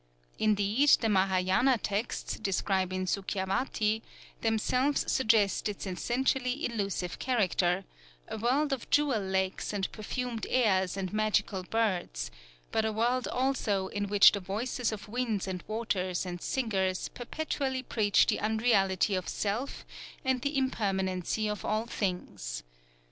Indeed, the Mahâyâna texts, describing Sukhâvatî, themselves suggest its essentially illusive character, a world of jewel lakes and perfumed airs and magical birds, but a world also in which the voices of winds and waters and singers perpetually preach the unreality of self and the impermanency of all things.